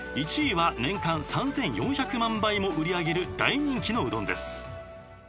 １位は年間３，４００万杯も売り上げる大人気のうどんです。